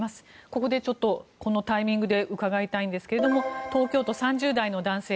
このタイミングで伺いたいんですが東京都、３０代男性。